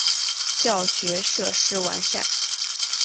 教学设施完善。